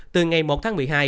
từ ngày một tháng một mươi hai